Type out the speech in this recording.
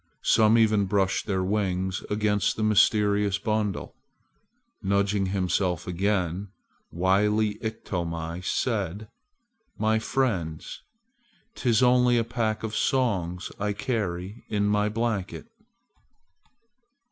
Some even brushed their wings against the mysterious bundle. Nudging himself again, wily Iktomi said, "My friends, 't is only a pack of songs I carry in my blanket."